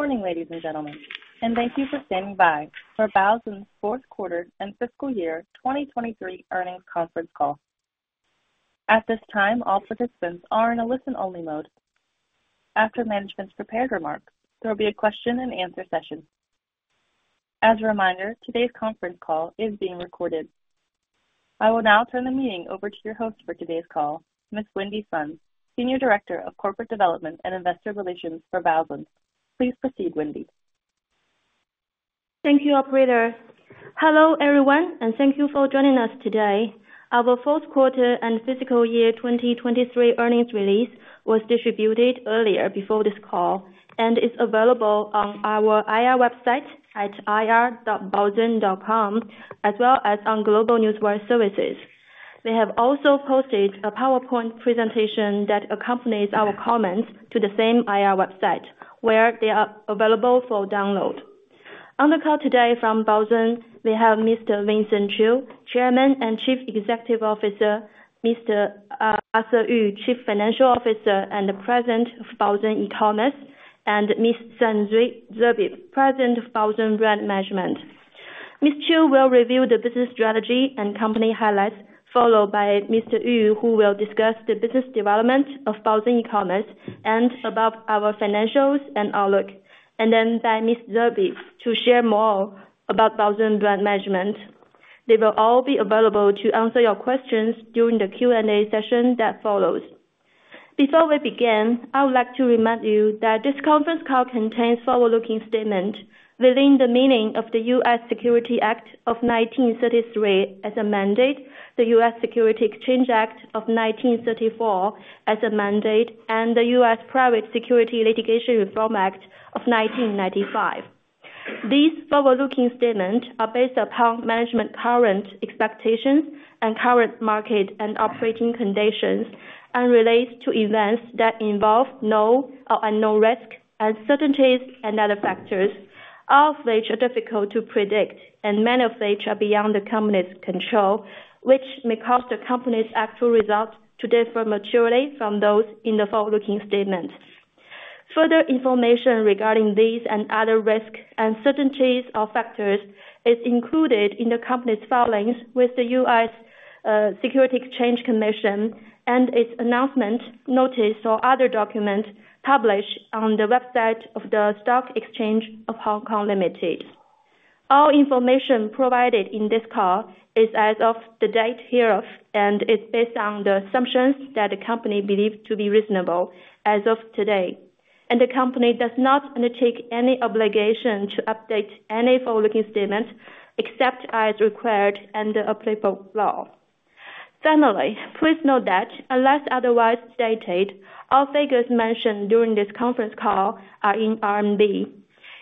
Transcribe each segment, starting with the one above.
Good morning, ladies and gentlemen, and thank you for standing by for Baozun's fourth quarter and fiscal year 2023 earnings conference call. At this time, all participants are in a listen-only mode. After management's prepared remarks, there will be a question-and-answer session. As a reminder, today's conference call is being recorded. I will now turn the meeting over to your host for today's call, Ms. Wendy Sun, Senior Director of Corporate Development and Investor Relations for Baozun. Please proceed, Wendy. Thank you, Operator. Hello, everyone, and thank you for joining us today. Our fourth quarter and fiscal year 2023 earnings release was distributed earlier before this call and is available on our IR website at ir.baozun.com as well as on GlobeNewswire. We have also posted a PowerPoint presentation that accompanies our comments to the same IR website, where they are available for download. On the call today from Baozun, we have Mr. Vincent Qiu, Chairman and Chief Executive Officer, Mr. Arthur Yu, Chief Financial Officer and President of Baozun E-Commerce, and Ms. Sandrine Zerbib, President of Baozun Brand Management. Mr. Qiu will review the business strategy and company highlights, followed by Mr. Yu, who will discuss the business development of Baozun E-Commerce and about our financials and outlook, and then by Ms. Zerbib to share more about Baozun Brand Management. They will all be available to answer your questions during the Q&A session that follows. Before we begin, I would like to remind you that this conference call contains forward-looking statements within the meaning of the U.S. Securities Act of 1933, as amended, the U.S. Securities Exchange Act of 1934, as amended, and the U.S. Private Securities Litigation Reform Act of 1995. These forward-looking statements are based upon management's current expectations and current market and operating conditions and relate to events that involve known or unknown risks and uncertainties and other factors, all of which are difficult to predict and many of which are beyond the company's control, which may cause the company's actual results to differ materially from those in the forward-looking statements. Further information regarding these and other risks and uncertainties or factors is included in the company's filings with the U.S. Securities and Exchange Commission and its announcement, notice, or other document published on the website of the Stock Exchange of Hong Kong Limited. All information provided in this call is as of the date hereof and is based on the assumptions that the company believes to be reasonable as of today, and the company does not undertake any obligation to update any forward-looking statements except as required under applicable law. Finally, please note that unless otherwise stated, all figures mentioned during this conference call are in RMB.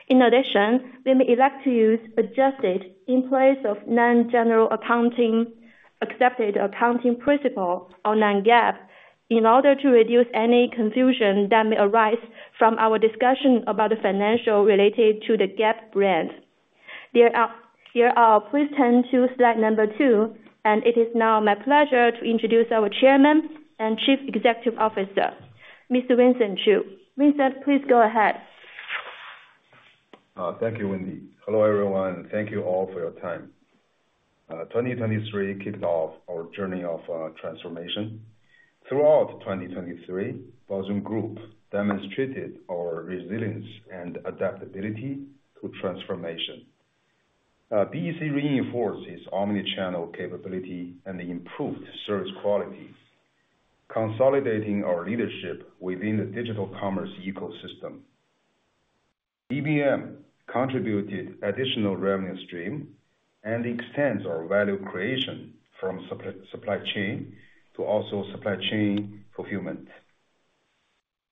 In addition, we may elect to use adjusted in place of non-generally accepted accounting principles or non-GAAP in order to reduce any confusion that may arise from our discussion about the financials related to the Gap brand. Now, please turn to slide number two, and it is now my pleasure to introduce our Chairman and Chief Executive Officer, Mr. Vincent Qiu. Vincent, please go ahead. Thank you, Wendy. Hello, everyone, and thank you all for your time. 2023 kicked off our journey of transformation. Throughout 2023, Baozun Group demonstrated our resilience and adaptability to transformation. BEC reinforced its omnichannel capability and improved service quality, consolidating our leadership within the digital commerce ecosystem. BBM contributed additional revenue stream and extends our value creation from supply chain to also supply chain fulfillment.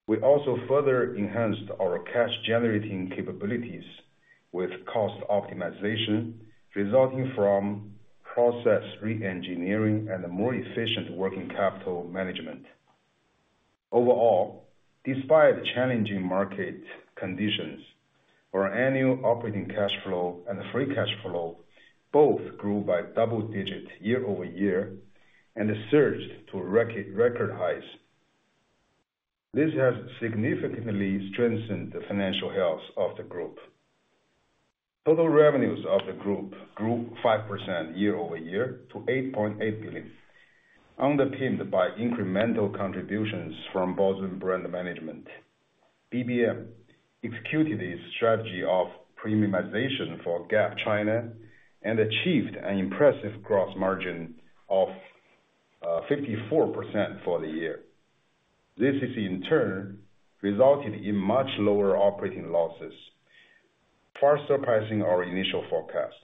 We also further enhanced our cash-generating capabilities with cost optimization resulting from process re-engineering and more efficient working capital management. Overall, despite challenging market conditions, our annual operating cash flow and free cash flow both grew by double digits year-over-year and surged to record highs. This has significantly strengthened the financial health of the group. Total revenues of the group grew 5% year-over-year to 8.8 billion, underpinned by incremental contributions from Baozun Brand Management. BBM executed its strategy of premiumization for Gap China and achieved an impressive gross margin of 54% for the year. This has, in turn, resulted in much lower operating losses, far surpassing our initial forecast.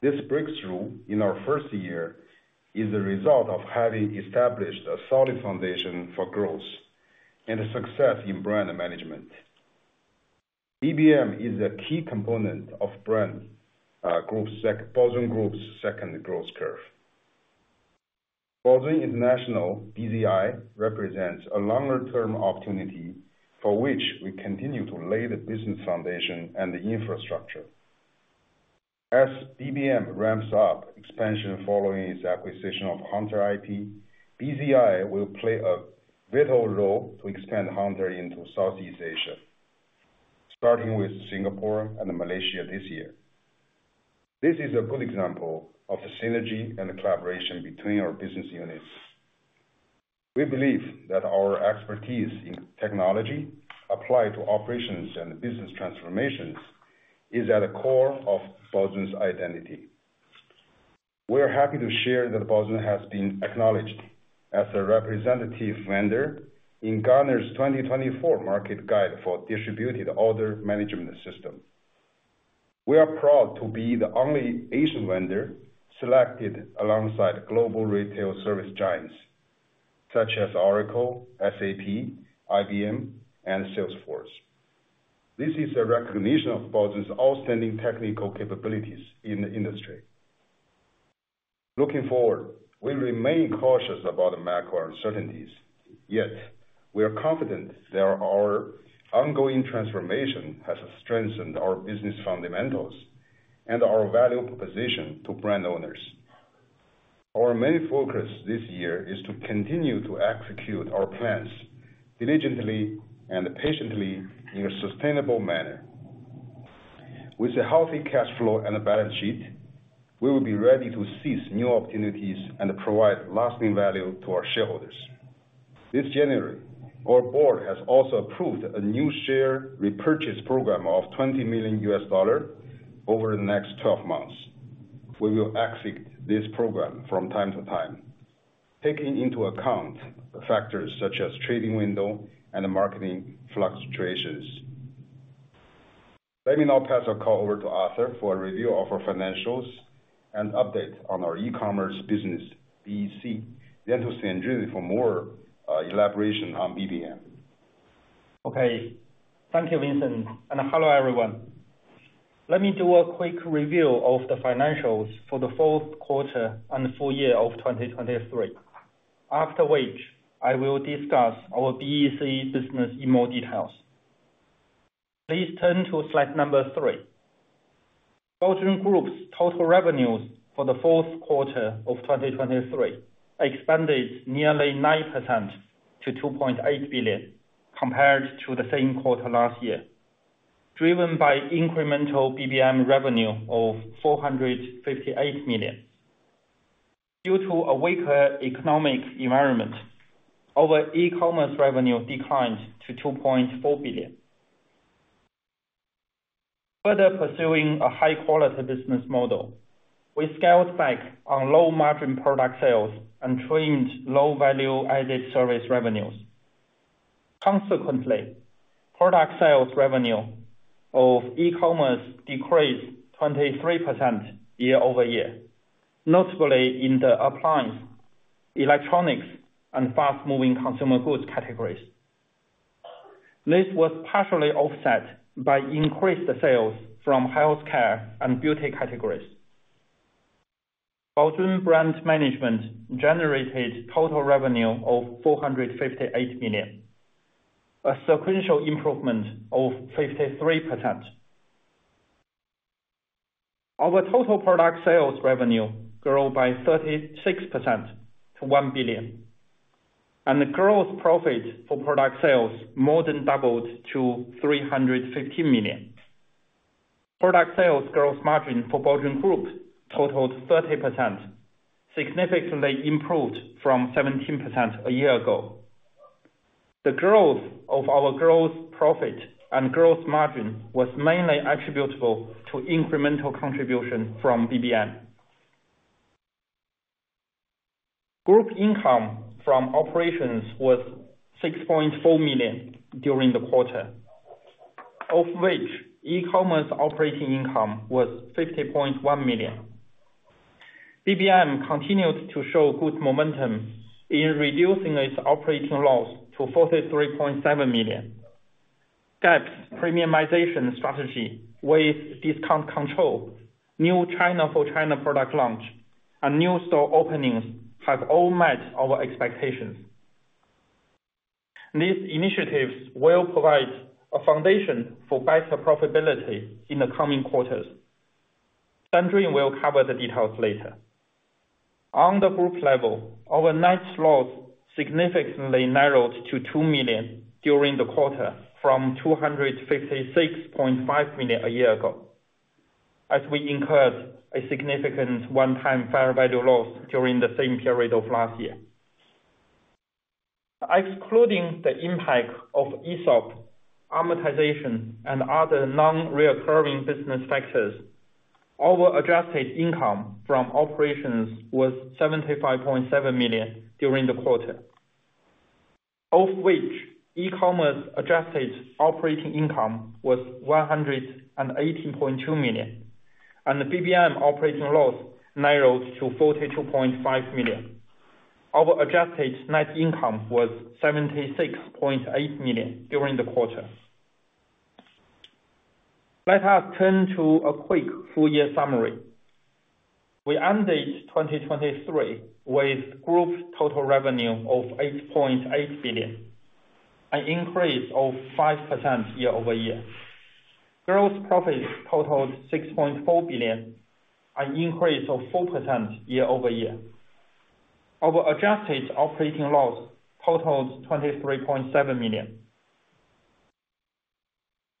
This breakthrough in our first year is the result of having established a solid foundation for growth and success in brand management. BBM is a key component of Baozun Group's second growth curve. Baozun International (BZI) represents a longer-term opportunity for which we continue to lay the business foundation and the infrastructure. As BBM ramps up expansion following its acquisition of Hunter IP, BZI will play a vital role to expand Hunter into Southeast Asia, starting with Singapore and Malaysia this year. This is a good example of the synergy and collaboration between our business units. We believe that our expertise in technology applied to operations and business transformations is at the core of Baozun's identity. We are happy to share that Baozun has been acknowledged as a representative vendor in Gartner's 2024 Market Guide for Distributed Order Management Systems. We are proud to be the only Asian vendor selected alongside global retail service giants such as Oracle, SAP, IBM, and Salesforce. This is a recognition of Baozun's outstanding technical capabilities in the industry. Looking forward, we remain cautious about macro uncertainties, yet we are confident that our ongoing transformation has strengthened our business fundamentals and our value proposition to brand owners. Our main focus this year is to continue to execute our plans diligently and patiently in a sustainable manner. With a healthy cash flow and a balance sheet, we will be ready to seize new opportunities and provide lasting value to our shareholders. This January, our board has also approved a new share repurchase program of $20 million over the next 12 months. We will execute this program from time to time, taking into account factors such as trading windows and market fluctuations. Let me now pass the call over to Arthur for a review of our financials and update on our e-commerce business, BEC, then to Sandrine for more elaboration on BBM. Okay. Thank you, Vincent, and hello, everyone. Let me do a quick review of the financials for the fourth quarter and full year of 2023, after which I will discuss our BEC business in more details. Please turn to slide number three. Baozun Group's total revenues for the fourth quarter of 2023 expanded nearly 9% to 2.8 billion compared to the same quarter last year, driven by incremental BBM revenue of 458 million. Due to a weaker economic environment, our e-commerce revenue declined to 2.4 billion. Further pursuing a high-quality business model, we scaled back on low-margin product sales and trimmed low-value added service revenues. Consequently, product sales revenue of e-commerce decreased 23% year-over-year, notably in the appliance, electronics, and fast-moving consumer goods categories. This was partially offset by increased sales from healthcare and beauty categories. Baozun Brand Management generated total revenue of 458 million, a sequential improvement of 53%. Our total product sales revenue grew by 36% to 1 billion, and the gross profit for product sales more than doubled to 315 million. Product sales gross margin for Baozun Group totaled 30%, significantly improved from 17% a year ago. The growth of our gross profit and gross margin was mainly attributable to incremental contribution from BBM. Group income from operations was 6.4 million during the quarter, of which e-commerce operating income was 50.1 million. BBM continued to show good momentum in reducing its operating loss to 43.7 million. Gap's premiumization strategy with discount control, new China-for-China product launch, and new store openings have all met our expectations. These initiatives will provide a foundation for better profitability in the coming quarters. Sandrine will cover the details later. On the group level, our net loss significantly narrowed to 2 million during the quarter from 256.5 million a year ago, as we incurred a significant one-time fair value loss during the same period of last year. Excluding the impact of ESOP, amortization, and other non-recurring business factors, our adjusted income from operations was 75.7 million during the quarter, of which e-commerce adjusted operating income was 118.2 million, and BBM operating loss narrowed to 42.5 million. Our adjusted net income was 76.8 million during the quarter. Let us turn to a quick full-year summary. We ended 2023 with group total revenue of 8.8 billion, an increase of 5% year-over-year. Gross profit totaled 6.4 billion, an increase of 4% year-over-year. Our adjusted operating loss totaled 23.7 million.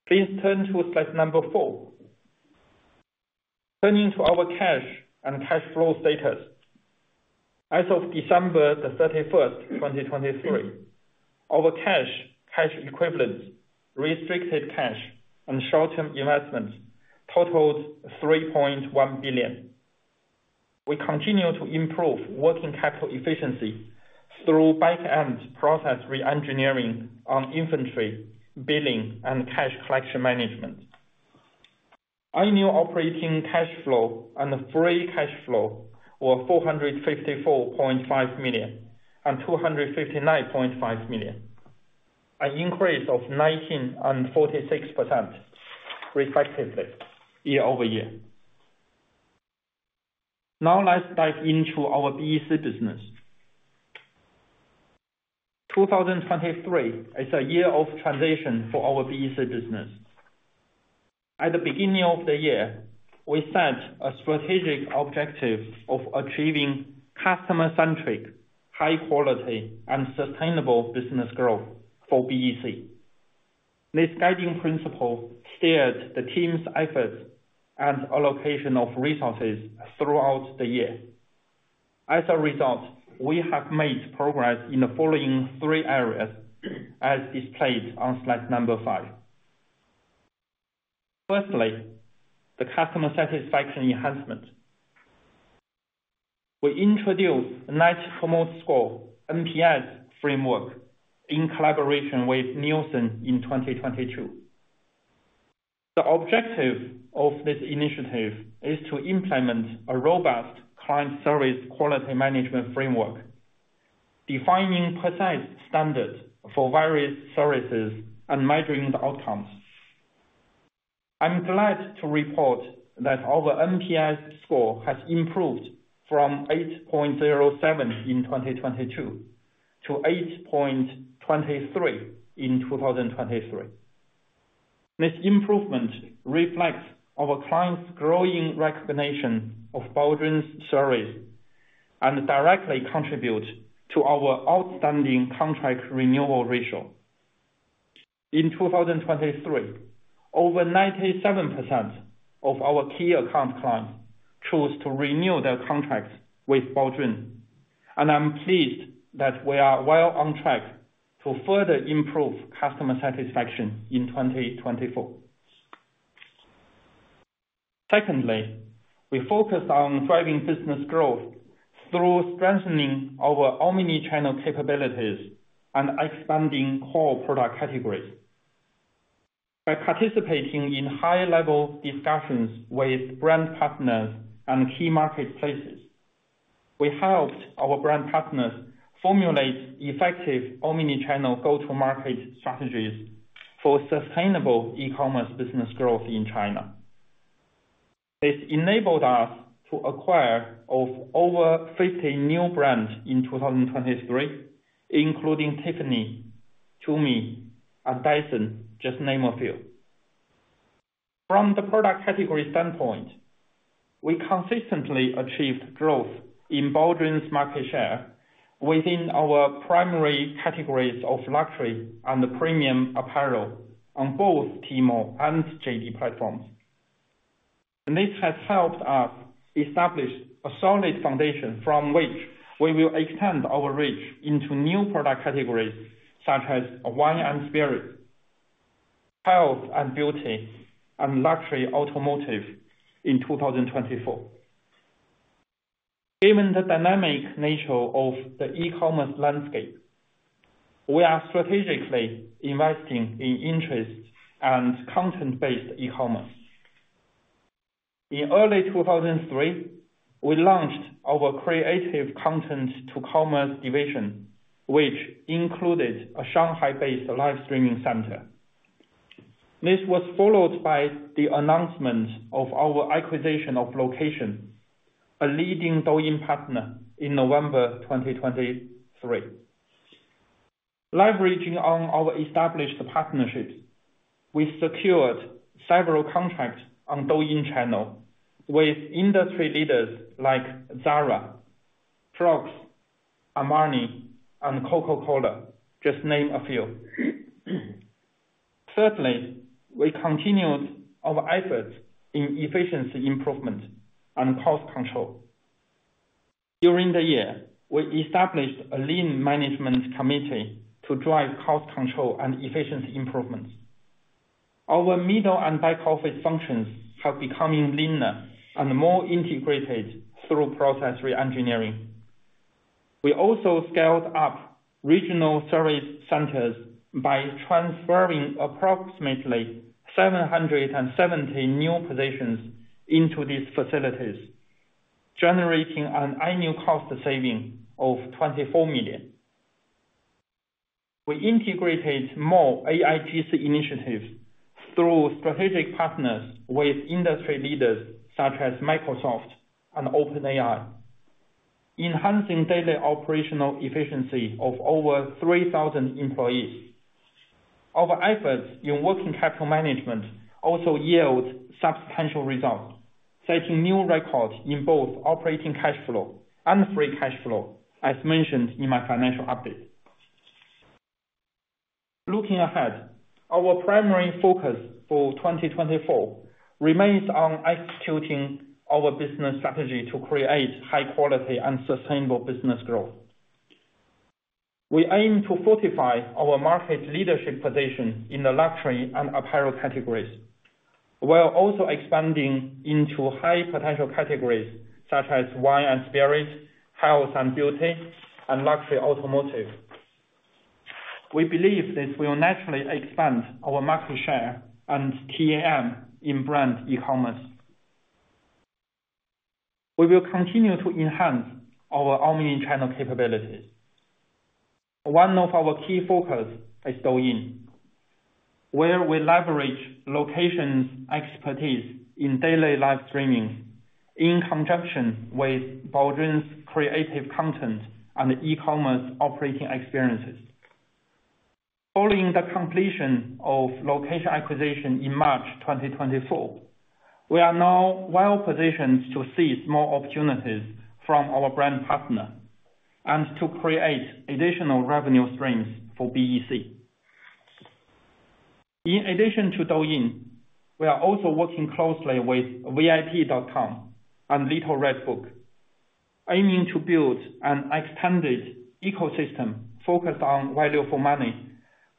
Please turn to slide number four. Turning to our cash and cash flow status. As of December 31st, 2023, our cash, cash equivalents, restricted cash, and short-term investments totaled 3.1 billion. We continue to improve working capital efficiency through back-end process re-engineering on inventory, billing, and cash collection management. Annual operating cash flow and free cash flow were 454.5 million and 259.5 million, an increase of 19% and 46%, respectively, year-over-year. Now let's dive into our BEC business. 2023 is a year of transition for our BEC business. At the beginning of the year, we set a strategic objective of achieving customer-centric, high-quality, and sustainable business growth for BEC. This guiding principle steered the team's efforts and allocation of resources throughout the year. As a result, we have made progress in the following three areas as displayed on slide number five. Firstly, the customer satisfaction enhancement. We introduced Net Promoter Score (NPS) framework in collaboration with Nielsen in 2022. The objective of this initiative is to implement a robust client service quality management framework, defining precise standards for various services, and measuring the outcomes. I'm glad to report that our NPS score has improved from 8.07 in 2022 to 8.23 in 2023. This improvement reflects our clients' growing recognition of Baozun's service and directly contributes to our outstanding contract renewal ratio. In 2023, over 97% of our key account clients chose to renew their contracts with Baozun, and I'm pleased that we are well on track to further improve customer satisfaction in 2024. Secondly, we focus on driving business growth through strengthening our omnichannel capabilities and expanding core product categories. By participating in high-level discussions with brand partners and key marketplaces, we helped our brand partners formulate effective omnichannel go-to-market strategies for sustainable e-commerce business growth in China. This enabled us to acquire over 50 new brands in 2023, including Tiffany, Tumi, and Dyson, just to name a few. From the product category standpoint, we consistently achieved growth in Baozun's market share within our primary categories of luxury and premium apparel on both Tmall and JD platforms. This has helped us establish a solid foundation from which we will extend our reach into new product categories such as wine and spirits, health and beauty, and luxury automotive in 2024. Given the dynamic nature of the e-commerce landscape, we are strategically investing in interest and content-based e-commerce. In early 2023, we launched our Creative Content to Commerce division, which included a Shanghai-based live streaming center. This was followed by the announcement of our acquisition of Location, a leading Douyin partner, in November 2023. Leveraging on our established partnerships, we secured several contracts on Douyin channel with industry leaders like Zara, Crocs, Armani, and Coca-Cola, just to name a few. Thirdly, we continued our efforts in efficiency improvement and cost control. During the year, we established a lean management committee to drive cost control and efficiency improvements. Our middle and back office functions have become leaner and more integrated through process re-engineering. We also scaled up regional service centers by transferring approximately 770 new positions into these facilities, generating an annual cost saving of 24 million. We integrated more AIGC initiatives through strategic partners with industry leaders such as Microsoft and OpenAI, enhancing daily operational efficiency of over 3,000 employees. Our efforts in working capital management also yielded substantial results, setting new records in both operating cash flow and free cash flow, as mentioned in my financial update. Looking ahead, our primary focus for 2024 remains on executing our business strategy to create high-quality and sustainable business growth. We aim to fortify our market leadership position in the luxury and apparel categories while also expanding into high-potential categories such as wine and spirits, health and beauty, and luxury automotive. We believe this will naturally expand our market share and TAM in brand e-commerce. We will continue to enhance our omnichannel capabilities. One of our key focuses is Douyin, where we leverage Location's expertise in daily live streaming in conjunction with Baozun's creative content and e-commerce operating experiences. Following the completion of Location acquisition in March 2024, we are now well positioned to seize more opportunities from our brand partner and to create additional revenue streams for BEC. In addition to Douyin, we are also working closely with VIP.com and Little Red Book, aiming to build an extended ecosystem focused on value for money,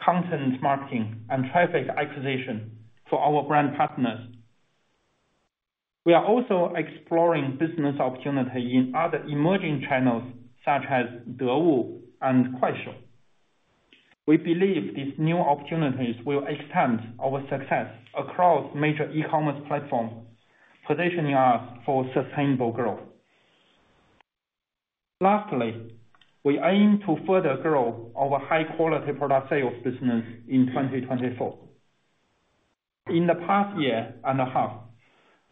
content marketing, and traffic acquisition for our brand partners. We are also exploring business opportunities in other emerging channels such as Dewu and Kuaishou. We believe these new opportunities will extend our success across major e-commerce platforms, positioning us for sustainable growth. Lastly, we aim to further grow our high-quality product sales business in 2024. In the past year and a half,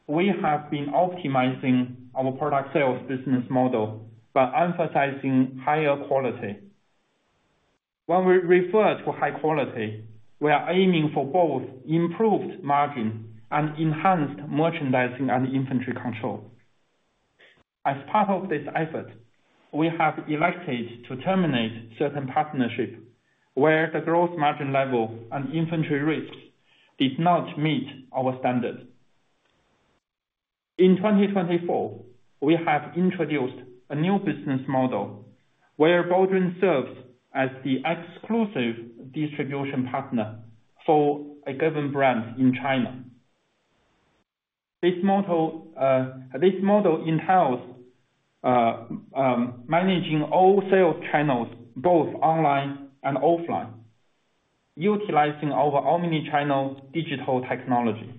we have been optimizing our product sales business model by emphasizing higher quality. When we refer to high quality, we are aiming for both improved margin and enhanced merchandising and inventory control. As part of this effort, we have elected to terminate certain partnerships where the gross margin level and inventory risks did not meet our standards. In 2024, we have introduced a new business model where Baozun serves as the exclusive distribution partner for a given brand in China. This model entails managing all sales channels, both online and offline, utilizing our omnichannel digital technology.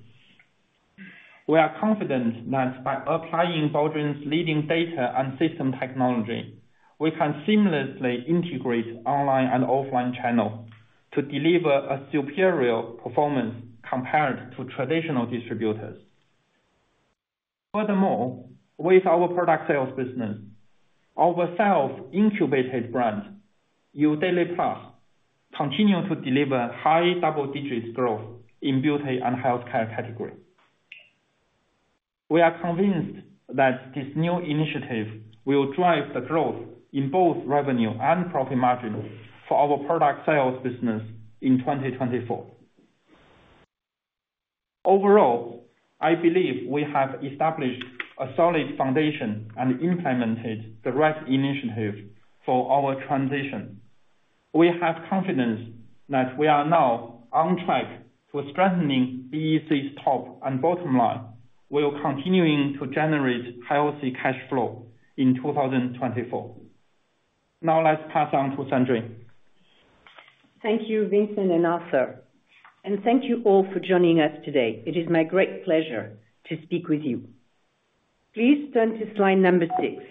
We are confident that by applying Baozun's leading data and system technology, we can seamlessly integrate online and offline channels to deliver a superior performance compared to traditional distributors. Furthermore, with our product sales business, our self-incubated brand, You Daily Plus, continues to deliver high double-digit growth in beauty and healthcare category. We are convinced that this new initiative will drive the growth in both revenue and profit margins for our product sales business in 2024. Overall, I believe we have established a solid foundation and implemented the right initiative for our transition. We have confidence that we are now on track to strengthening BEC's top and bottom line, while continuing to generate healthy cash flow in 2024. Now let's pass on to Sandrine. Thank you, Vincent and Arthur. And thank you all for joining us today. It is my great pleasure to speak with you. Please turn to slide number six.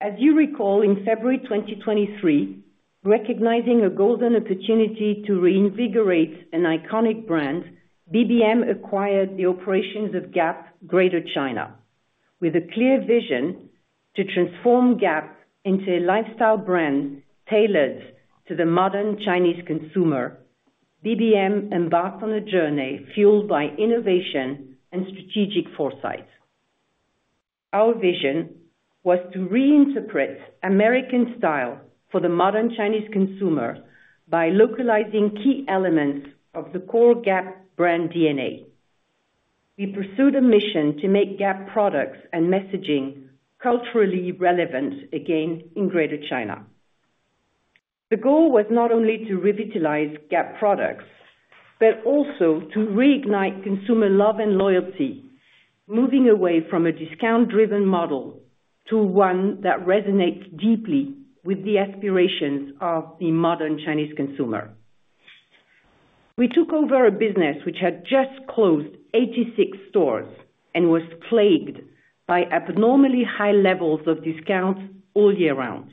As you recall, in February 2023, recognizing a golden opportunity to reinvigorate an iconic brand, BBM acquired the operations of Gap, Greater China. With a clear vision to transform Gap into a lifestyle brand tailored to the modern Chinese consumer, BBM embarked on a journey fueled by innovation and strategic foresight. Our vision was to reinterpret American style for the modern Chinese consumer by localizing key elements of the core Gap brand DNA. We pursued a mission to make Gap products and messaging culturally relevant again in Greater China. The goal was not only to revitalize Gap products but also to reignite consumer love and loyalty, moving away from a discount-driven model to one that resonates deeply with the aspirations of the modern Chinese consumer. We took over a business which had just closed 86 stores and was plagued by abnormally high levels of discounts all year round.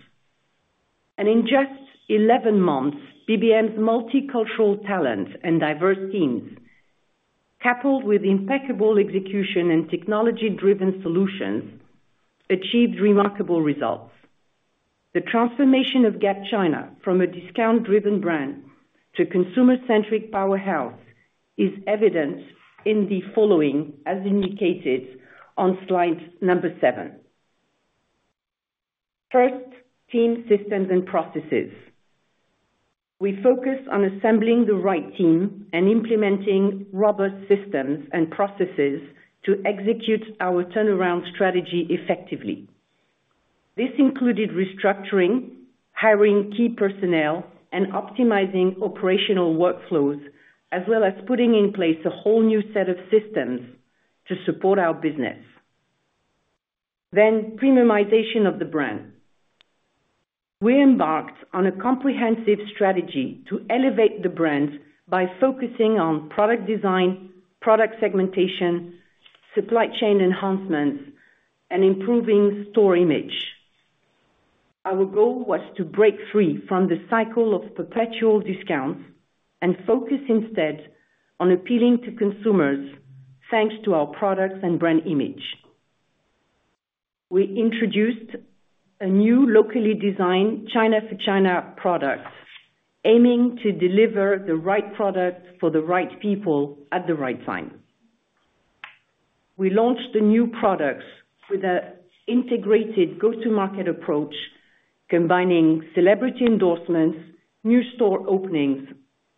In just 11 months, BBM's multicultural talents and diverse teams, coupled with impeccable execution and technology-driven solutions, achieved remarkable results. The transformation of Gap China from a discount-driven brand to a consumer-centric powerhouse is evident in the following, as indicated on slide number seven. First, team, systems, and processes. We focused on assembling the right team and implementing robust systems and processes to execute our turnaround strategy effectively. This included restructuring, hiring key personnel, and optimizing operational workflows, as well as putting in place a whole new set of systems to support our business. Then, premiumization of the brand. We embarked on a comprehensive strategy to elevate the brand by focusing on product design, product segmentation, supply chain enhancements, and improving store image. Our goal was to break free from the cycle of perpetual discounts and focus instead on appealing to consumers thanks to our products and brand image. We introduced a new locally designed China for China product, aiming to deliver the right product for the right people at the right time. We launched the new products with an integrated go-to-market approach, combining celebrity endorsements, new store openings,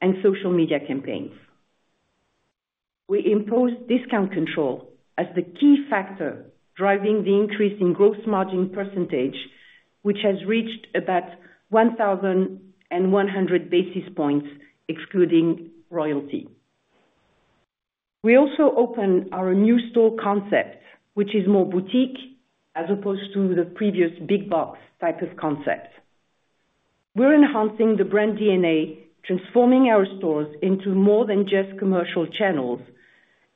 and social media campaigns. We imposed discount control as the key factor driving the increase in gross margin percentage, which has reached about 1,100 basis points excluding royalty. We also opened our new store concept, which is more boutique as opposed to the previous big-box type of concept. We're enhancing the brand DNA, transforming our stores into more than just commercial channels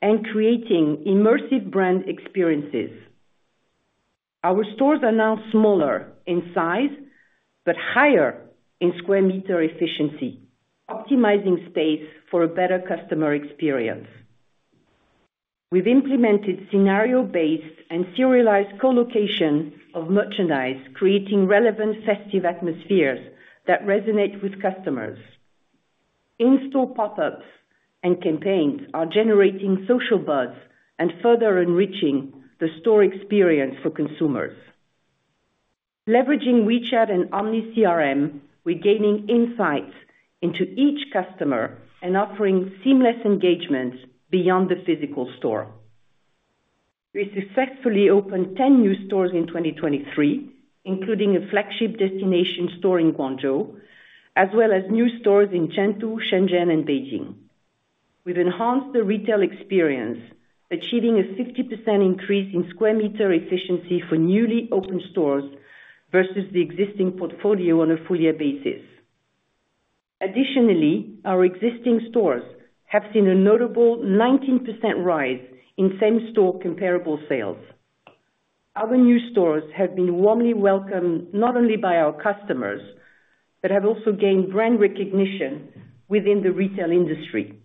and creating immersive brand experiences. Our stores are now smaller in size but higher in square meter efficiency, optimizing space for a better customer experience. We've implemented scenario-based and serialized colocation of merchandise, creating relevant festive atmospheres that resonate with customers. In-store pop-ups and campaigns are generating social buzz and further enriching the store experience for consumers. Leveraging WeChat and OmniCRM, we're gaining insights into each customer and offering seamless engagement beyond the physical store. We successfully opened 10 new stores in 2023, including a flagship destination store in Guangzhou, as well as new stores in Chengdu, Shenzhen, and Beijing. We've enhanced the retail experience, achieving a 50% increase in square meter efficiency for newly opened stores versus the existing portfolio on a full-year basis. Additionally, our existing stores have seen a notable 19% rise in same-store comparable sales. Our new stores have been warmly welcomed not only by our customers but have also gained brand recognition within the retail industry.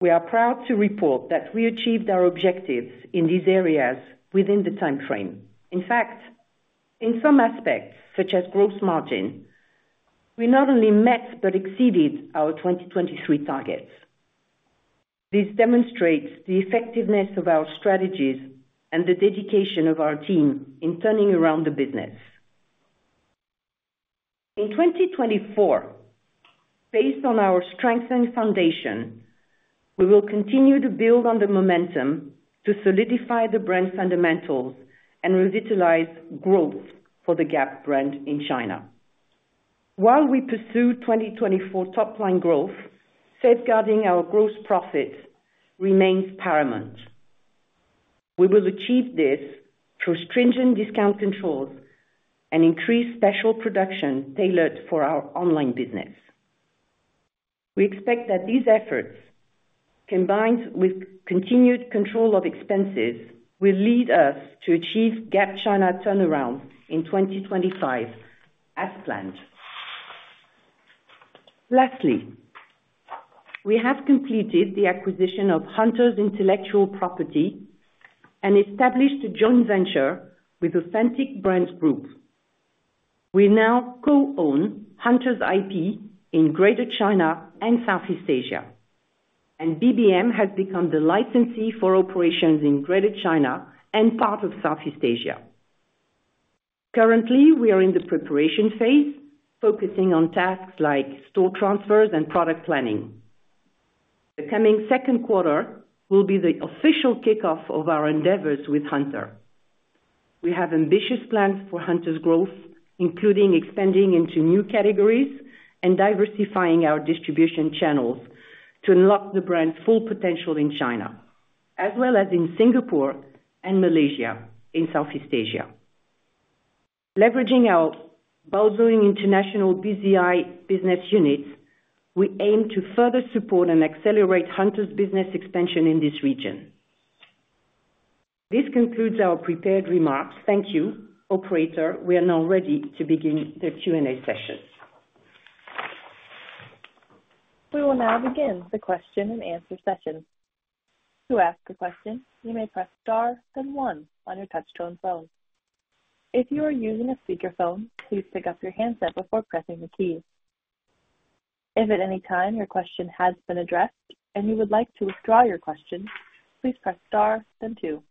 We are proud to report that we achieved our objectives in these areas within the time frame. In fact, in some aspects, such as gross margin, we not only met but exceeded our 2023 targets. This demonstrates the effectiveness of our strategies and the dedication of our team in turning around the business. In 2024, based on our strengthened foundation, we will continue to build on the momentum to solidify the brand's fundamentals and revitalize growth for the Gap brand in China. While we pursue 2024 top-line growth, safeguarding our gross profit remains paramount. We will achieve this through stringent discount controls and increased special production tailored for our online business. We expect that these efforts, combined with continued control of expenses, will lead us to achieve Gap China turnaround in 2025 as planned. Lastly, we have completed the acquisition of Hunter's intellectual property and established a joint venture with Authentic Brands Group. We now co-own Hunter's IP in Greater China and Southeast Asia, and BBM has become the licensee for operations in Greater China and part of Southeast Asia. Currently, we are in the preparation phase, focusing on tasks like store transfers and product planning. The coming second quarter will be the official kickoff of our endeavors with Hunter. We have ambitious plans for Hunter's growth, including expanding into new categories and diversifying our distribution channels to unlock the brand's full potential in China, as well as in Singapore and Malaysia in Southeast Asia. Leveraging our Baozun International BZI business units, we aim to further support and accelerate Hunter's business expansion in this region. This concludes our prepared remarks. Thank you. Operator, we are now ready to begin the Q&A session. We will now begin the question and answer session. To ask a question, you may press star then one on your touch-tone phone. If you are using a speakerphone, please pick up your handset before pressing the key. If at any time your question has been addressed and you would like to withdraw your question, please press star then two.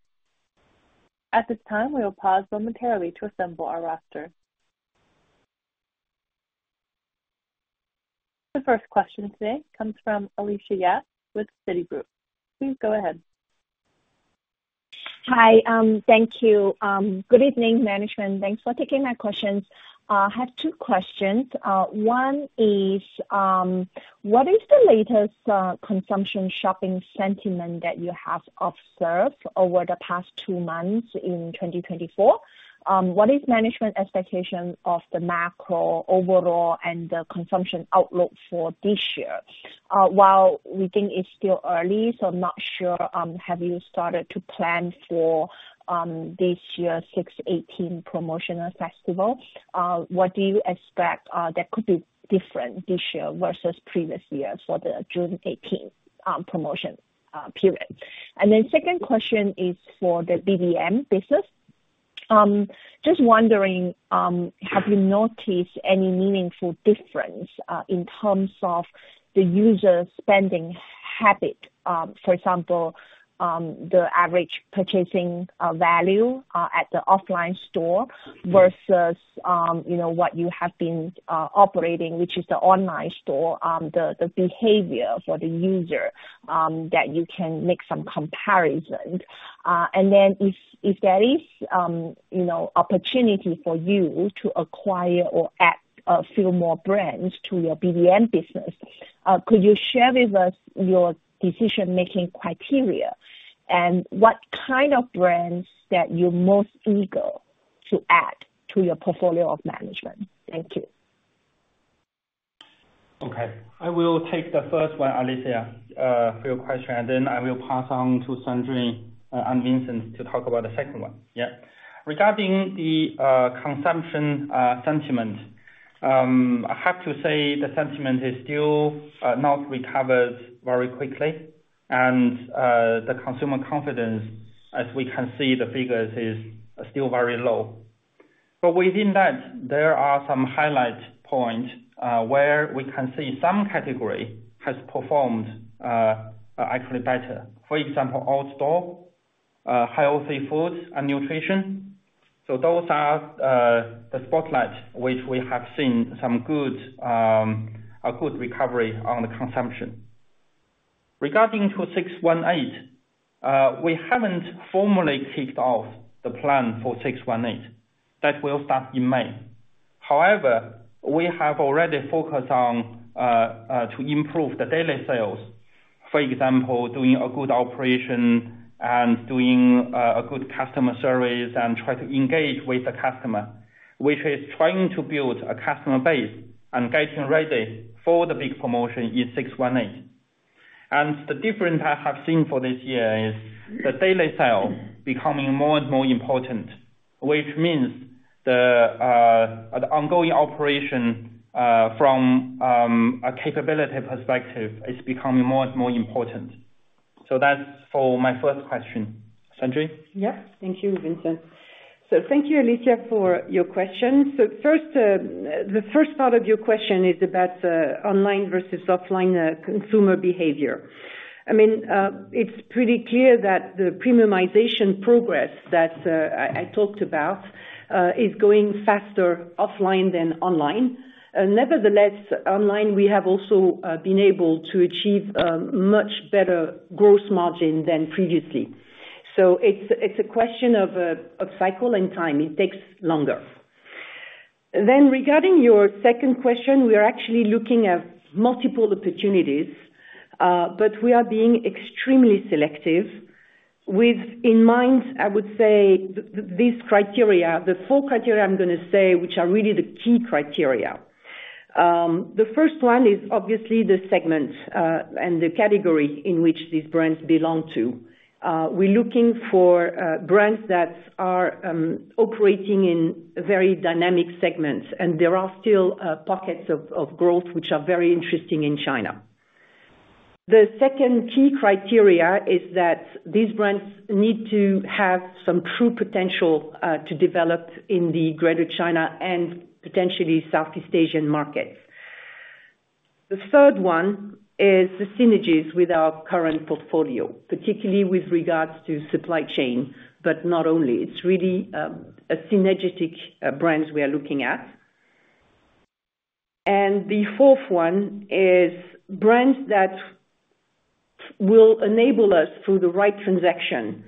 At this time, we will pause momentarily to assemble our roster. The first question today comes from Alicia Yap with Citigroup, please go ahead. Hi. Thank you. Good evening, management. Thanks for taking my questions. I have two questions. One is, what is the latest consumption shopping sentiment that you have observed over the past two months in 2024? What is management's expectation of the macro overall and the consumption outlook for this year? While we think it's still early, so not sure, have you started to plan for this year's 6/18 promotional festival? What do you expect that could be different this year versus previous years for the June 18 promotion period? And then second question is for the BBM business. Just wondering, have you noticed any meaningful difference in terms of the user spending habit? For example, the average purchasing value at the offline store versus what you have been operating, which is the online store, the behavior for the user that you can make some comparison. And then if there is opportunity for you to acquire or add a few more brands to your BBM business, could you share with us your decision-making criteria and what kind of brands that you're most eager to add to your portfolio of management? Thank you. Okay. I will take the first one, Alicia, for your question, and then I will pass on to Sandrine and Vincent to talk about the second one. Yeah. Regarding the consumption sentiment, I have to say the sentiment is still not recovered very quickly, and the consumer confidence, as we can see the figures, is still very low. But within that, there are some highlight points where we can see some category has performed actually better. For example, outdoor, healthy foods, and nutrition. So those are the spotlight, which we have seen some good recovery on the consumption. Regarding 6/18, we haven't formally kicked off the plan for 6/18. That will start in May. However, we have already focused on improving the daily sales, for example, doing a good operation and doing a good customer service and trying to engage with the customer, which is trying to build a customer base and getting ready for the big promotion in 6/18. And the difference I have seen for this year is the daily sale becoming more and more important, which means the ongoing operation from a capability perspective is becoming more and more important. So that's for my first question. Sandrine? Yep. Thank you, Vincent. So thank you, Alicia, for your question. So the first part of your question is about online versus offline consumer behavior. I mean, it's pretty clear that the premiumization progress that I talked about is going faster offline than online. Nevertheless, online, we have also been able to achieve much better gross margin than previously. So it's a question of cycle and time. It takes longer. Then regarding your second question, we are actually looking at multiple opportunities, but we are being extremely selective, with in mind, I would say, these criteria, the four criteria I'm going to say, which are really the key criteria. The first one is obviously the segment and the category in which these brands belong to. We're looking for brands that are operating in very dynamic segments, and there are still pockets of growth which are very interesting in China. The second key criteria is that these brands need to have some true potential to develop in the Greater China and potentially Southeast Asian markets. The third one is the synergies with our current portfolio, particularly with regards to supply chain, but not only. It's really a synergetic brand we are looking at. And the fourth one is brands that will enable us, through the right transaction,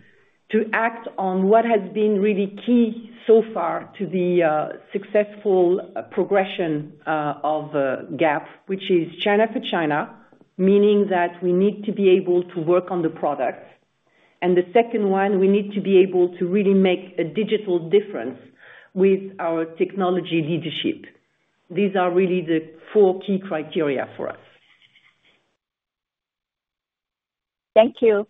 to act on what has been really key so far to the successful progression of Gap, which is China for China, meaning that we need to be able to work on the product. And the second one, we need to be able to really make a digital difference with our technology leadership. These are really the four key criteria for us. Thank you.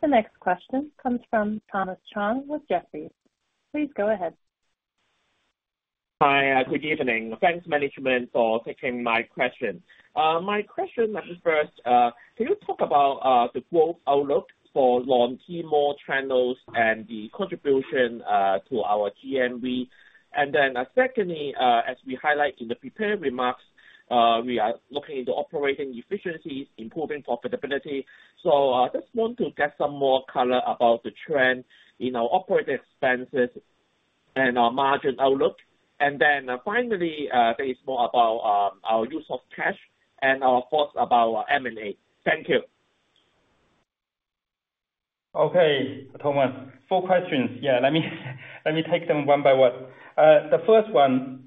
The next question comes from Thomas Chong with Jefferies, please go ahead. Hi. Good evening. Thanks, management, for taking my question. My question at first, can you talk about the growth outlook for launching more channels and the contribution to our GMV? And then secondly, as we highlight in the prepared remarks, we are looking into operating efficiencies, improving profitability. So I just want to get some more color about the trend in our operating expenses and our margin outlook. And then finally, there is more about our use of cash and, of course, about M&A. Thank you. Okay, Thomas. Four questions. Yeah. Let me take them one by one. The first one,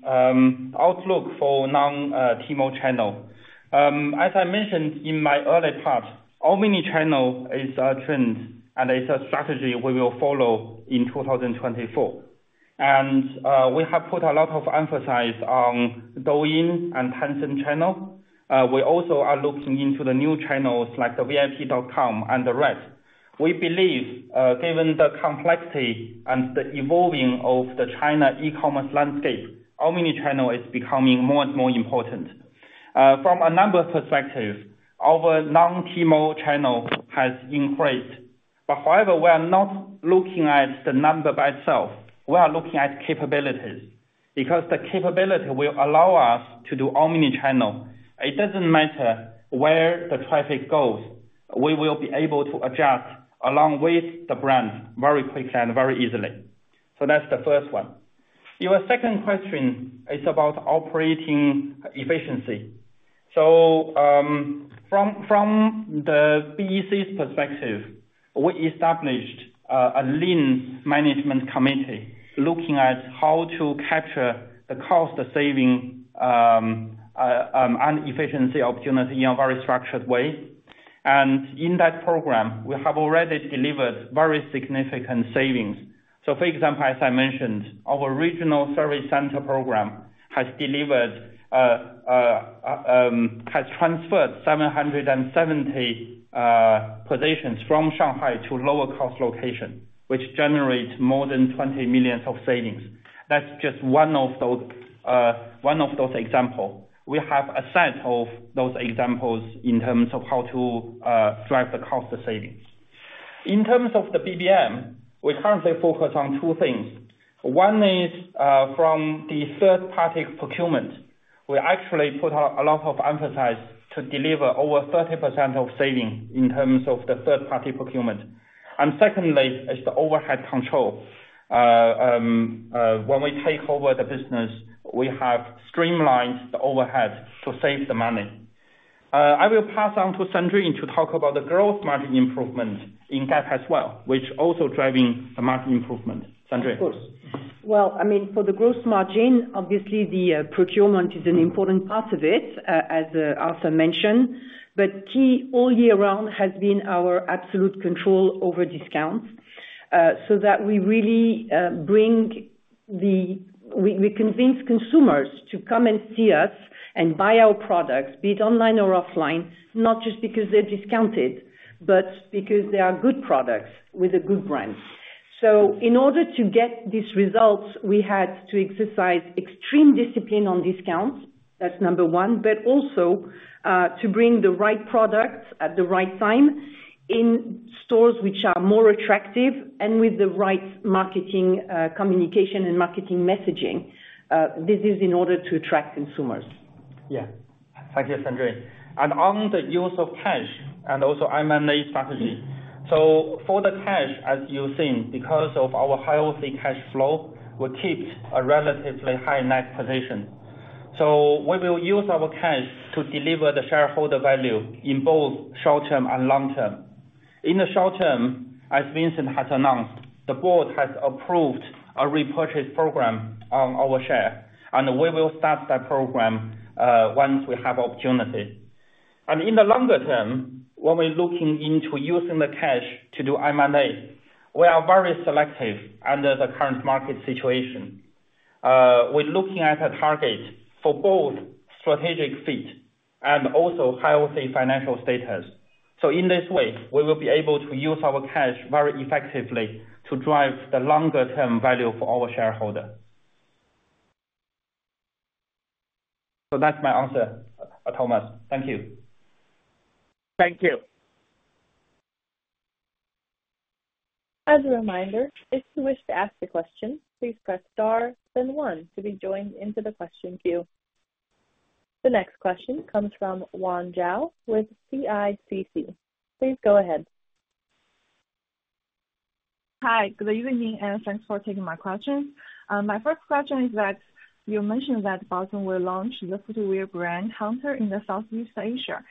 outlook for non-Tmall channel. As I mentioned in my early part, omnichannel is a trend, and it's a strategy we will follow in 2024. And we have put a lot of emphasis on Douyin and Tencent channel. We also are looking into the new channels like the VIP.com and the Redbook. We believe, given the complexity and the evolving of the China e-commerce landscape, omnichannel is becoming more and more important. From a number perspective, our non-Tmall channel has increased. But however, we are not looking at the number by itself. We are looking at capabilities because the capability will allow us to do omnichannel. It doesn't matter where the traffic goes. We will be able to adjust along with the brands very quickly and very easily. So that's the first one. Your second question is about operating efficiency. So from the BEC's perspective, we established a lean management committee looking at how to capture the cost-saving and efficiency opportunity in a very structured way. And in that program, we have already delivered very significant savings. So for example, as I mentioned, our regional service center program has transferred 770 positions from Shanghai to lower-cost locations, which generates more than 20 million of savings. That's just one of those examples. We have a set of those examples in terms of how to drive the cost savings. In terms of the BBM, we currently focus on two things. One is from the third-party procurement. We actually put a lot of emphasis to deliver over 30% of savings in terms of the third-party procurement. And secondly, it's the overhead control. When we take over the business, we have streamlined the overhead to save the money. I will pass on to Sandrine to talk about the growth margin improvement in Gap as well, which is also driving the margin improvement. Sandrine? Of course. Well, I mean, for the growth margin, obviously, the procurement is an important part of it, as Arthur mentioned. But key all year round has been our absolute control over discounts so that we really bring the we convince consumers to come and see us and buy our products, be it online or offline, not just because they're discounted, but because they are good products with a good brand. So in order to get these results, we had to exercise extreme discipline on discounts. That's number one. But also to bring the right product at the right time in stores which are more attractive and with the right marketing communication and marketing messaging. This is in order to attract consumers. Yeah. Thank you, Sandrine. And on the use of cash and also M&A strategy. So for the cash, as you've seen, because of our healthy cash flow, we're keeping a relatively high net position. So we will use our cash to deliver the shareholder value in both short-term and long-term. In the short term, as Vincent has announced, the board has approved a repurchase program on our share, and we will start that program once we have opportunity. And in the longer term, when we're looking into using the cash to do M&A, we are very selective under the current market situation. We're looking at a target for both strategic fit and also healthy financial status. So in this way, we will be able to use our cash very effectively to drive the longer-term value for our shareholder. So that's my answer, Thomas. Thank you. Thank you. As a reminder, if you wish to ask a question, please press star then one to be joined into the question queue. The next question comes from Wang Zhao with CICC. Please go ahead. Hi. Good evening, and thanks for taking my question. My first question is that you mentioned that Baozun will launch the Hunter brand counter in Southeast Asia.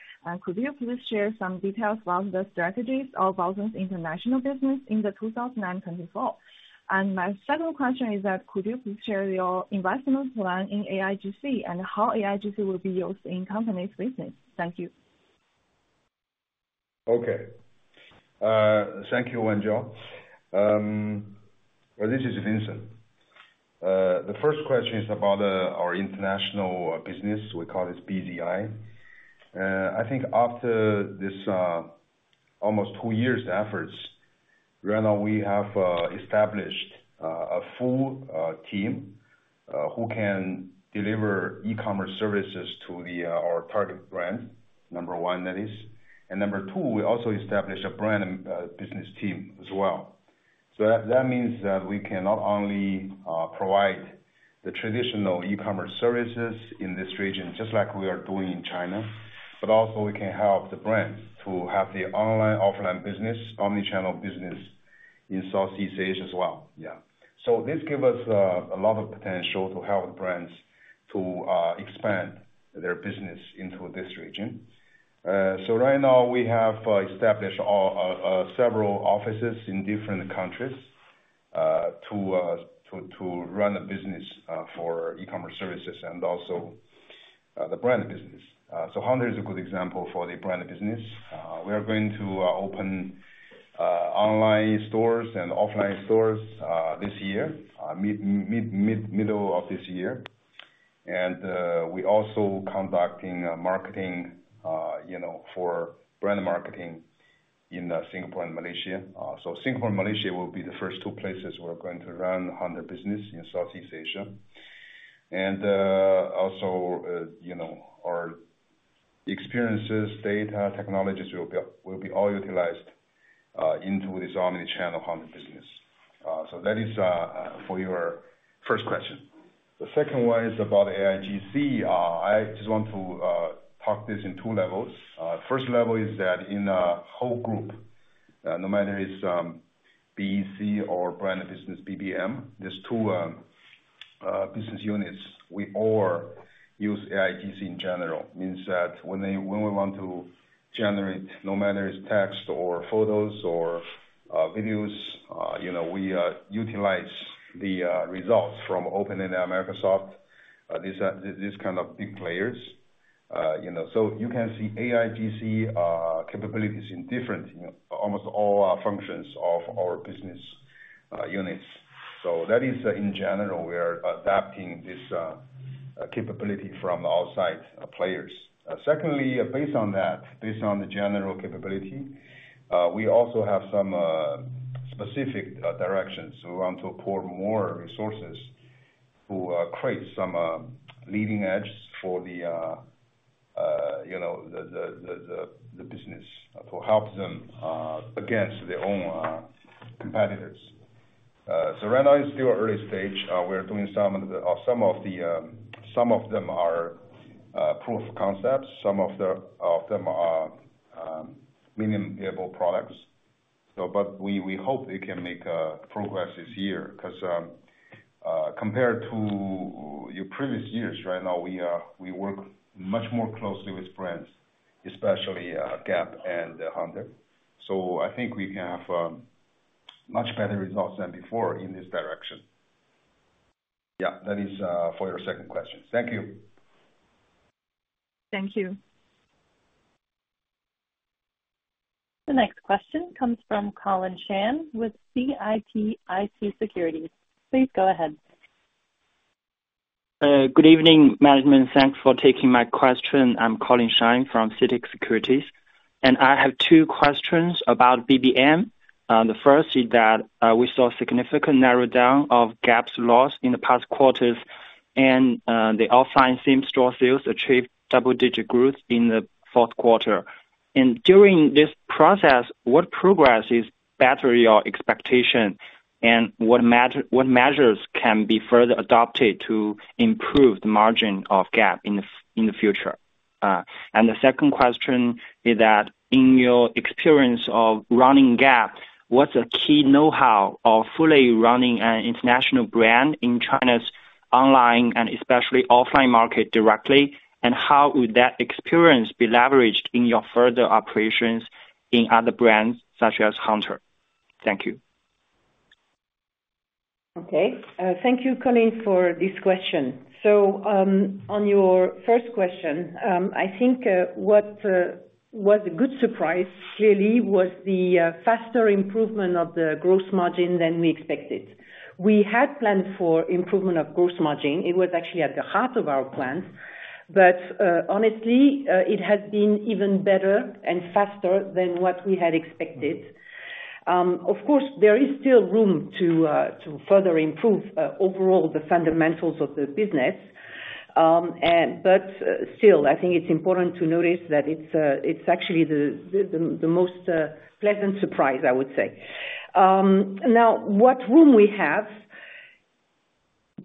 Could you please share some details about the strategies of Baozun's international business in 2024? And my second question is that could you please share your investment plan in AIGC and how AIGC will be used in companies' business? Thank you. Okay. Thank you, Wang Zhao. Well, this is Vincent. The first question is about our international business. We call it BZI. I think after this almost two years' efforts, right now, we have established a full team who can deliver e-commerce services to our target brands, number one, that is. And number two, we also established a brand and business team as well. So that means that we can not only provide the traditional e-commerce services in this region just like we are doing in China, but also we can help the brands to have the online, offline business, omnichannel business in Southeast Asia as well. Yeah. So this gives us a lot of potential to help the brands to expand their business into this region. So right now, we have established several offices in different countries to run the business for e-commerce services and also the brand business. So Hunter is a good example for the brand business. We are going to open online stores and offline stores this year, middle of this year. We're also conducting marketing for brand marketing in Singapore and Malaysia. So Singapore and Malaysia will be the first two places we're going to run Hunter business in Southeast Asia. Also, our experiences, data, technologies will be all utilized into this omnichannel Hunter business. So that is for your first question. The second one is about AIGC. I just want to talk this in two levels. First level is that in a whole group, no matter if it's BEC or brand business BBM, these two business units, we all use AIGC in general. Means that when we want to generate, no matter if it's text or photos or videos, we utilize the results from OpenAI, Microsoft, these kind of big players. So you can see AIGC capabilities in almost all functions of our business units. So that is, in general, we are adapting this capability from the outside players. Secondly, based on that, based on the general capability, we also have some specific directions. We want to pour more resources to create some leading edges for the business to help them against their own competitors. So right now, it's still early stage. We are doing some of the some of them are proof of concepts. Some of them are minimum viable products. But we hope we can make progress this year because compared to your previous years, right now, we work much more closely with brands, especially Gap and Hunter. So I think we can have much better results than before in this direction. Yeah. That is for your second question. Thank you. Thank you. The next question comes from Colin Shan with CITIC Securities. Please go ahead. Good evening, management. Thanks for taking my question. I'm Colin Shan from CITIC Securities. And I have two questions about BBM. The first is that we saw a significant narrowing of Gap's loss in the past quarters, and the offline same-store sales achieved double-digit growth in the fourth quarter. And during this process, what progress is better than your expectation, and what measures can be further adopted to improve the margin of Gap in the future? And the second question is that in your experience of running Gap, what's the key know-how of fully running an international brand in China's online and especially offline market directly? And how would that experience be leveraged in your further operations in other brands such as Hunter? Thank you. Okay. Thank you, Colin, for this question. So on your first question, I think what was a good surprise, clearly, was the faster improvement of the gross margin than we expected. We had planned for improvement of gross margin. It was actually at the heart of our plans. But honestly, it has been even better and faster than what we had expected. Of course, there is still room to further improve overall the fundamentals of the business. But still, I think it's important to notice that it's actually the most pleasant surprise, I would say. Now, what room we have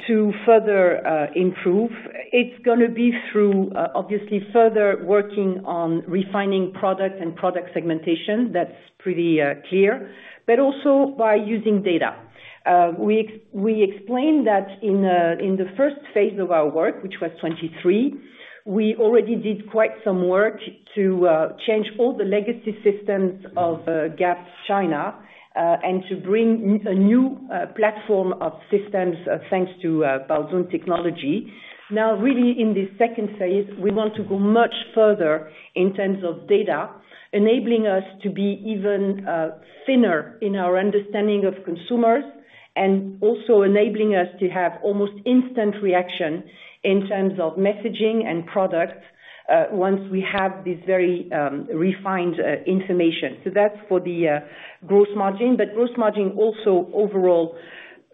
to further improve, it's going to be through, obviously, further working on refining product and product segmentation. That's pretty clear. But also by using data. We explained that in the first phase of our work, which was 2023, we already did quite some work to change all the legacy systems of Gap China and to bring a new platform of systems thanks to Baozun Technology. Now, really, in this second phase, we want to go much further in terms of data, enabling us to be even thinner in our understanding of consumers and also enabling us to have almost instant reaction in terms of messaging and products once we have this very refined information. So that's for the gross margin. But gross margin also, overall,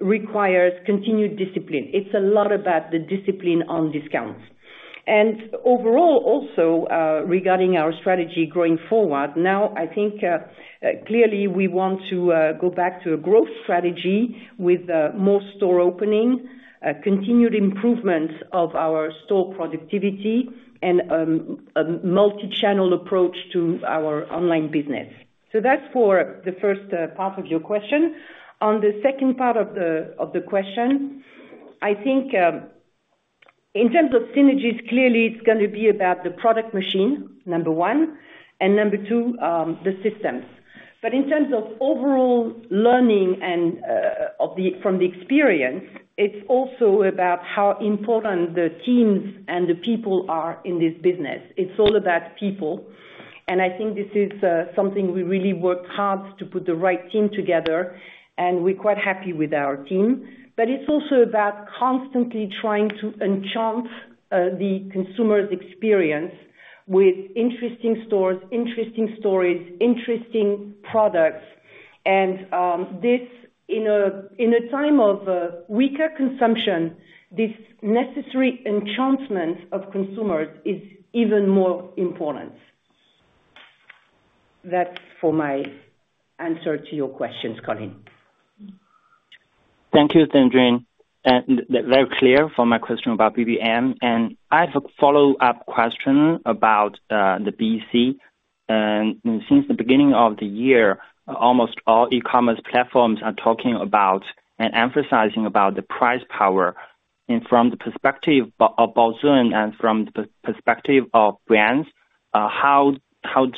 requires continued discipline. It's a lot about the discipline on discounts. And overall, also, regarding our strategy going forward, now, I think clearly, we want to go back to a growth strategy with more store opening, continued improvements of our store productivity, and a multi-channel approach to our online business. So that's for the first part of your question. On the second part of the question, I think in terms of synergies, clearly, it's going to be about the product machine, number one, and number two, the systems. But in terms of overall learning from the experience, it's also about how important the teams and the people are in this business. It's all about people. And I think this is something we really worked hard to put the right team together. And we're quite happy with our team. But it's also about constantly trying to enchant the consumer's experience with interesting stores, interesting stories, interesting products. And in a time of weaker consumption, this necessary enchantment of consumers is even more important. That's for my answer to your questions, Colin. Thank you, Sandrine. And very clear for my question about BBM. And I have a follow-up question about the BEC. Since the beginning of the year, almost all e-commerce platforms are talking about and emphasizing about the price power. From the perspective of Baozun and from the perspective of brands, how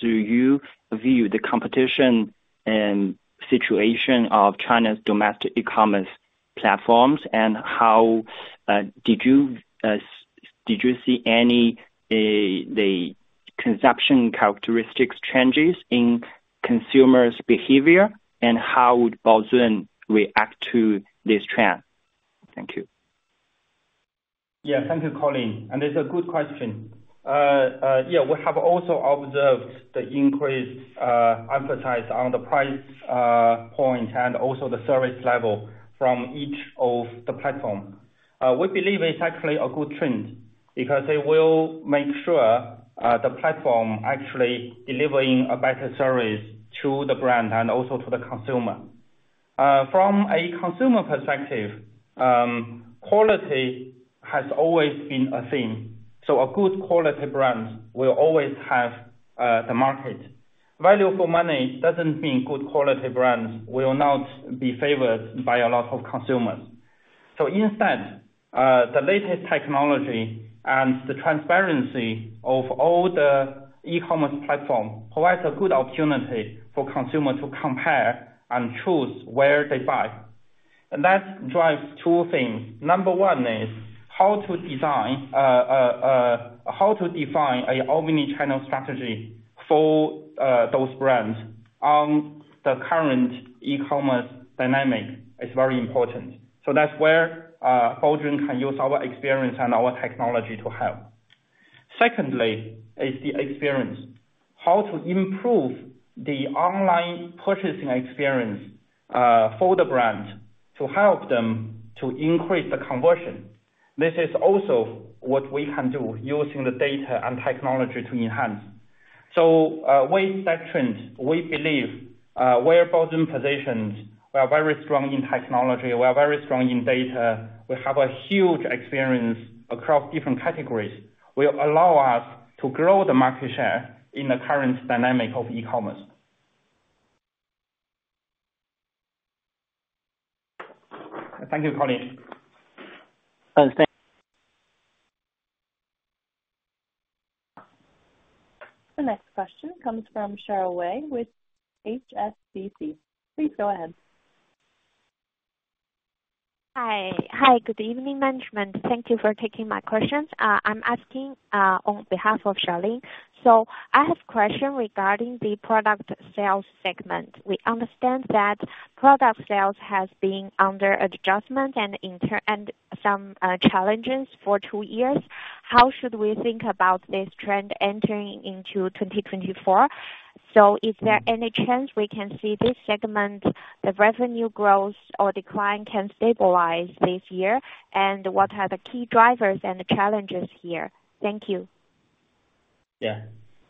do you view the competition and situation of China's domestic e-commerce platforms? Did you see any consumption characteristics changes in consumers' behavior? How would Baozun react to this trend? Thank you. Yeah. Thank you, Colin. It's a good question. Yeah. We have also observed the increased emphasis on the price point and also the service level from each of the platforms. We believe it's actually a good trend because it will make sure the platform actually delivering a better service to the brand and also to the consumer. From a consumer perspective, quality has always been a theme. So a good quality brand will always have the market. Value for money doesn't mean good quality brands will not be favored by a lot of consumers. So instead, the latest technology and the transparency of all the e-commerce platforms provides a good opportunity for consumers to compare and choose where they buy. And that drives two things. Number one is how to design how to define an omnichannel strategy for those brands on the current e-commerce dynamic is very important. So that's where Baozun can use our experience and our technology to help. Secondly is the experience, how to improve the online purchasing experience for the brand to help them to increase the conversion. This is also what we can do using the data and technology to enhance. So with that trend, we believe where Baozun positions, we are very strong in technology. We are very strong in data. We have a huge experience across different categories will allow us to grow the market share in the current dynamic of e-commerce. Thank you, Colin. The next question comes from Cheryl Wei with HSBC. Please go ahead. Hi. Hi. Good evening, management. Thank you for taking my questions. I'm asking on behalf of Charlene. So I have a question regarding the product sales segment. We understand that product sales has been under adjustment and some challenges for two years. How should we think about this trend entering into 2024? So is there any chance we can see this segment, the revenue growth or decline, can stabilize this year? And what are the key drivers and challenges here? Thank you. Yeah.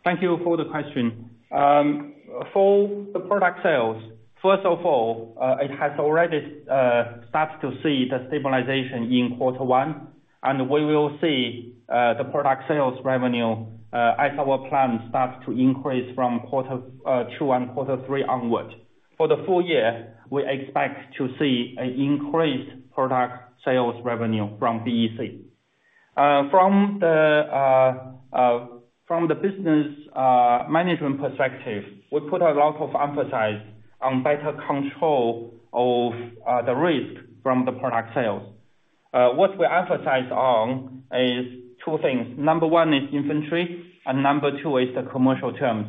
Thank you for the question. For the product sales, first of all, it has already started to see the stabilization in quarter one. We will see the product sales revenue as our plan starts to increase from quarter two and quarter three onward. For the full year, we expect to see an increased product sales revenue from BEC. From the business management perspective, we put a lot of emphasis on better control of the risk from the product sales. What we emphasize on is two things. Number one is inventory. And number two is the commercial terms.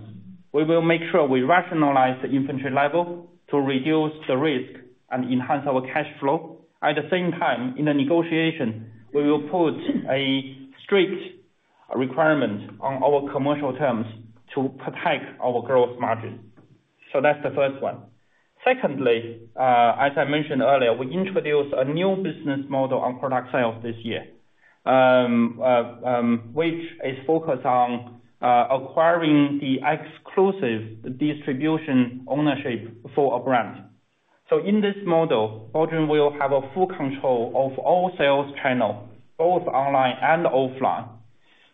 We will make sure we rationalize the inventory level to reduce the risk and enhance our cash flow. At the same time, in the negotiation, we will put a strict requirement on our commercial terms to protect our gross margin. So that's the first one. Secondly, as I mentioned earlier, we introduced a new business model on product sales this year, which is focused on acquiring the exclusive distribution ownership for a brand. So in this model, Baozun will have full control of all sales channels, both online and offline.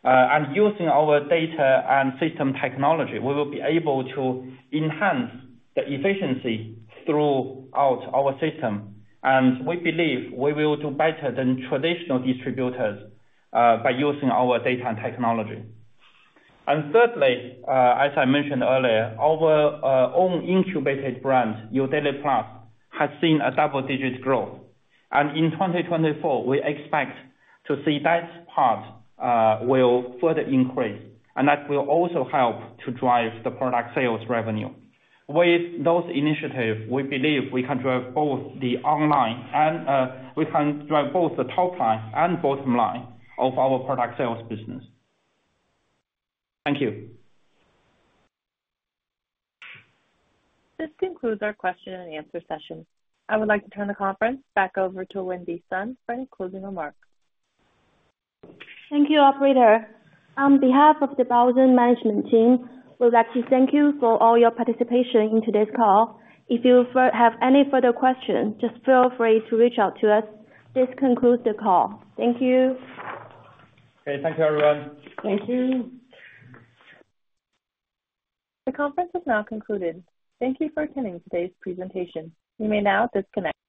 And using our data and system technology, we will be able to enhance the efficiency throughout our system. And we believe we will do better than traditional distributors by using our data and technology. And thirdly, as I mentioned earlier, our own incubated brand, You Daily Plus, has seen a double-digit growth. And in 2024, we expect to see that part will further increase. And that will also help to drive the product sales revenue. With those initiatives, we believe we can drive both the online and we can drive both the top line and bottom line of our product sales business. Thank you. This concludes our question-and-answer session. I would like to turn the conference back over to Vincent Wenbin Qiu for any closing remarks. Thank you, operator. On behalf of the Baozun management team, we would like to thank you for all your participation in today's call. If you have any further questions, just feel free to reach out to us. This concludes the call. Thank you. Okay. Thank you, everyone. Thank you. The conference is now concluded. Thank you for attending today's presentation. You may now disconnect.